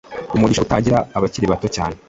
umugisha utangira bakiri bato cyane